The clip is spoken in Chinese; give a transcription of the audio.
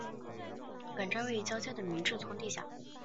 本站位于与交界的明治通地下。